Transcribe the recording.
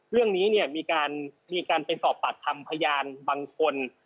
เรื่องนี้เนี่ยมีการไปสอบปากคำพยานบางคน